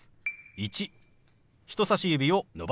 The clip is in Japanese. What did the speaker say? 「１」。